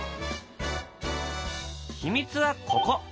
秘密はここ。